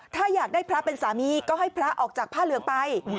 ถ้าอยากได้พระเป็นสามีก็ให้พระออกจากผ้าเหลืองไป